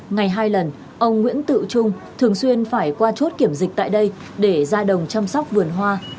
ngày hai lần ông nguyễn tự trung thường xuyên phải qua chốt kiểm dịch tại đây để ra đồng chăm sóc vườn hoa